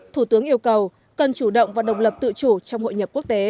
thủ tướng yêu cầu cần chủ động và độc lập tự chủ trong hội nhập quốc tế